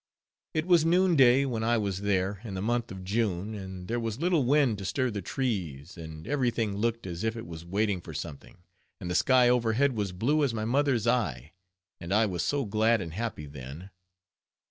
It was noon day when I was there, in the month of June, and there was little wind to stir the trees, and every thing looked as if it was waiting for something, and the sky overhead was blue as my mother's eye, and I was so glad and happy then.